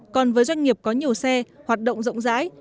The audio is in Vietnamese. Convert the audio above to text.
còn với doanh nghiệp có nhiều xe hoạt động rộng rãi